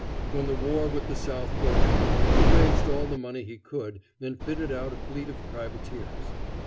When the war with the South broke out, he raised all the money he could and fitted out a fleet of privateers.